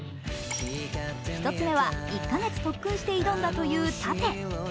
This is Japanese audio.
１つ目は、１カ月特訓して挑んだという殺陣。